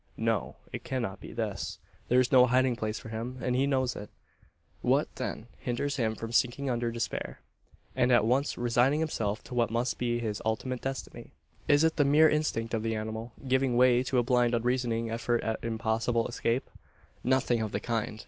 No: it cannot be this. There is no hiding place for him; and he knows it. What, then, hinders him from sinking under despair, and at once resigning himself to what must be his ultimate destiny? Is it the mere instinct of the animal, giving way to a blind unreasoning effort at impossible escape? Nothing of the kind.